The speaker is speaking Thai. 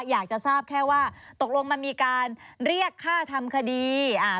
อยากจะทราบแค่ว่าตกลงมันมีการเรียกค่าทำคดีอ่า